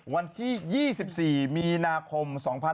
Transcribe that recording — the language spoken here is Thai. วันที่๒๔มีนาคม